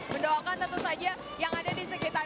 mendoakan tentu saja yang ada di sekitar